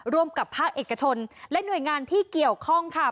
ร่วมกับภาคเอกชนและหน่วยงานที่เกี่ยวข้องค่ะ